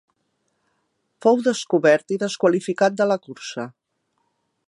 Fou descobert i desqualificat de la cursa.